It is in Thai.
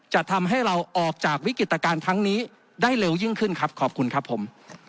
จะทำให้เราออกจากวิกฤตการณ์ครั้งนี้ได้เร็วยิ่งขึ้นครับขอบคุณครับผม